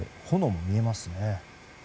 炎も見えますね。